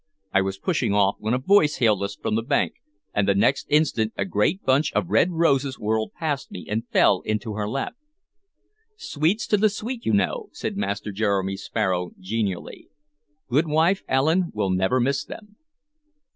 I was pushing off when a voice hailed us from the bank, and the next instant a great bunch of red roses whirled past me and fell into her lap. "Sweets to the sweet, you know," said Master Jeremy Sparrow genially. "Goodwife Allen will never miss them."